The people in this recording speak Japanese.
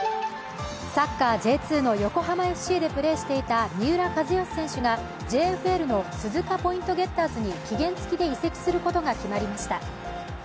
サッカー、Ｊ２の横浜ＦＣでプレーしていた三浦知良選手がＪＦＬの鈴鹿ポイントゲッターズに期限つきで移籍することが決まりました。